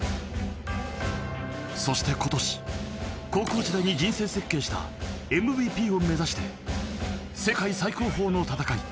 そして今年高校時代に人生設計したＭＶＰを目指して世界最高峰の戦い